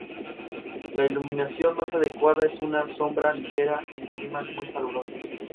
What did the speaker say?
Cuando regresa a la torre, Rapunzel usa el pincel para pintarse un vestido hermoso.